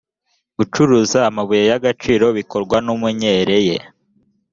gucuruza amabuye y’agaciro bikorwa n’umenyereye